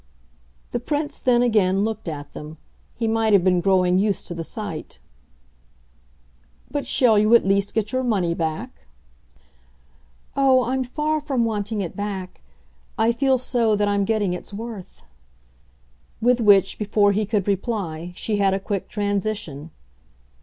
The Prince then again looked at them; he might have been growing used to the sight. "But shall you at least get your money back?" "Oh, I'm far from wanting it back I feel so that I'm getting its worth." With which, before he could reply, she had a quick transition.